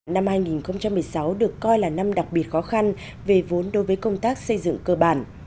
năm hai nghìn một mươi sáu được coi là năm đặc biệt khó khăn về vốn đối với công tác xây dựng cơ bản